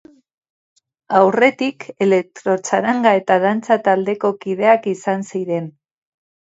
Aurretik, elektrotxaranga eta dantza taldeko kideak izan ziren.